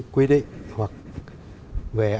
quy định hoặc về